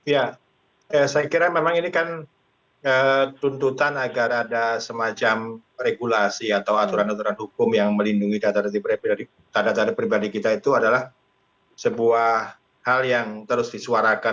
ya saya kira memang ini kan tuntutan agar ada semacam regulasi atau aturan aturan hukum yang melindungi data data pribadi kita itu adalah sebuah hal yang terus disuarakan